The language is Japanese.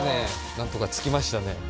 なんとか付きましたね。